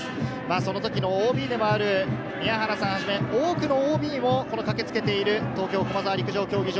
その時のＯＢでもある宮原さんはじめ、多くのＯＢも駆けつけている東京・駒沢陸上競技場。